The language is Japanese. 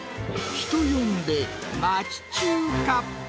人呼んで、町中華。